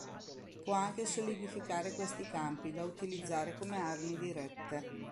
Può anche solidificare questi campi, da utilizzare come armi dirette.